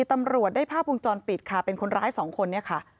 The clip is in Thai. ตำรวจได้ภาพวงจรปิดค่ะเป็นคนร้ายสองคนเนี่ยค่ะ